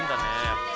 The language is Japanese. やっぱ。